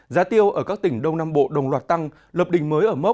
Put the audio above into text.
giá tiêu ở các tỉnh đông nam bộ đồng loạt tăng lập đình mới ở mốc